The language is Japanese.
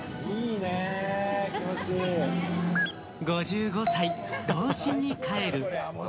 ５５歳、童心にかえる。